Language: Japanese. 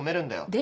で？